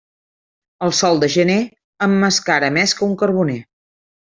El sol de gener emmascara més que un carboner.